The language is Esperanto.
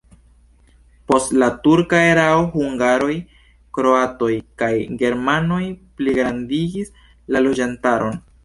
Post la turka erao hungaroj, kroatoj kaj germanoj pligrandigis la loĝantaron.